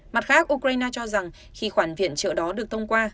mặt khác ukraine cho rằng khi khoản viện trợ đó được thông qua